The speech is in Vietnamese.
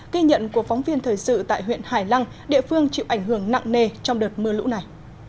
ghi nhận của phóng viên thời sự tại huyện hải lăng địa phương chịu ảnh hưởng nặng nề trong đợt mưa lũ này